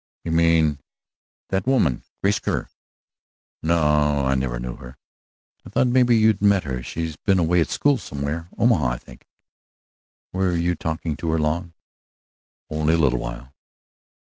"You mean ?" "That woman, Grace Kerr." "No, I never knew her." "I thought maybe you'd met her, she's been away at school somewhere Omaha, I think. Were you talking to her long?" "Only a little while."